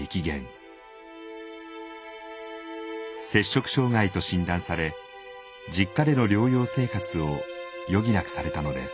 摂食障害と診断され実家での療養生活を余儀なくされたのです。